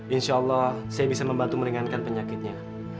insya allah saya bisa membantu meringankan penyakitnya